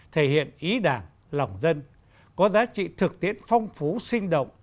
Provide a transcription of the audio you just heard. thể hiện ý đảng lòng dân có giá trị thực tiễn phong phú sinh động